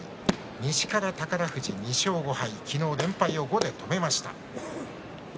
西から宝富士、２勝５敗昨日、連敗を５で止めました。